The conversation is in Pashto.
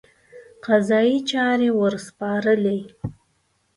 قضایي چارې ورسپارلې.